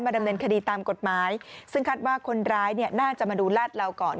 ดำเนินคดีตามกฎหมายซึ่งคาดว่าคนร้ายเนี่ยน่าจะมาดูลาดเหลาก่อน